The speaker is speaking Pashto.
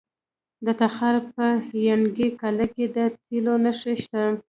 د تخار په ینګي قلعه کې د تیلو نښې شته.